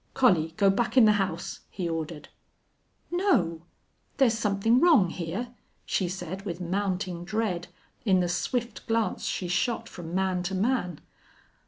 "Collie, go back in the house," he ordered. "No. There's something wrong here," she said, with mounting dread in the swift glance she shot from man to man.